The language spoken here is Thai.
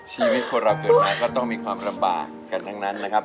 ชีวิตคนเราเกิดมาก็ต้องมีความลำบากกันทั้งนั้นนะครับ